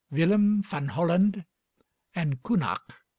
'Willem van Holland,' and 'Kounak.'